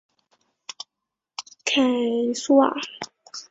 凯苏瓦。